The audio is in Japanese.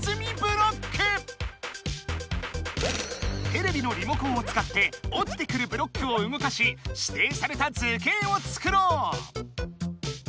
テレビのリモコンを使っておちてくるブロックをうごかししていされた図形を作ろう！